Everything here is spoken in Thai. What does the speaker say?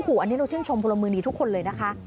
อันนี้เราชื่นชมพลมือนี้ทุกคนเลยนะคะ